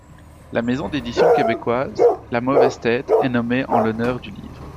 La maison d'édition québécoise La mauvaise tête est nommée en l'honneur du livre.